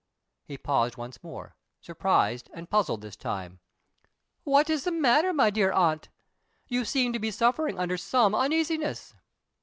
He paused once more surprised and puzzled this time. "What is the matter, my dear aunt? You seem to be suffering under some uneasiness."